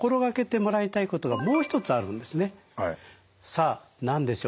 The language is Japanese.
さあ何でしょう？